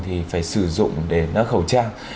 thì phải sử dụng để nâng khẩu trang